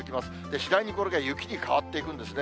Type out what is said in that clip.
次第に、これが雪に変わっていくんですね。